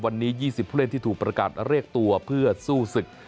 วันนี้๒๐ผู้เล่นที่ถูกประกาศเรียกตัวเพื่อสู้ศึก